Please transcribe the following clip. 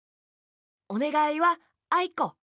おねがいは「あいこ」。